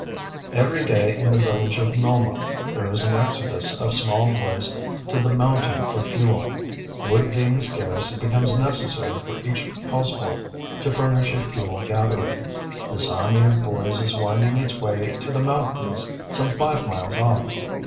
] Every day in the village of Nulmok there is an exodus of small boys to the mountain for fuel. Wood being scarce, it becomes necessary for each household to furnish a fuel gatherer. This army of boys is winding its way to the mountains some five miles off.